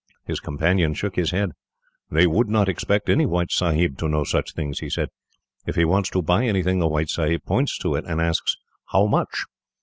His companion shook his head. "They would not expect any white sahib to know such things," he said. "If he wants to buy anything, the white sahib points to it and asks, 'How much?'